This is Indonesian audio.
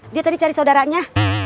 dia tadi cari saudaranya